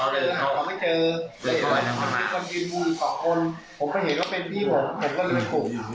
มีคนกรีมดู๒คนผมไปเห็นว่าเป็นพี่ผมผมก็ก็เลยถุง